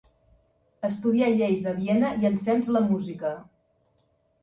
Estudià Lleis a Viena, i ensems la música.